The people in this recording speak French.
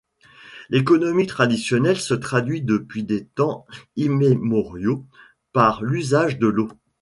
L'économie traditionnelle se traduit depuis des temps immémoriaux par l'usage de l'eau.